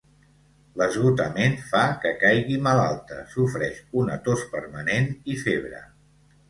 L'esgotament fa que caigui malalta, sofreix una tos permanent i febre.